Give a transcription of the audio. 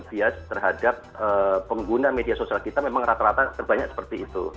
bias terhadap pengguna media sosial kita memang rata rata terbanyak seperti itu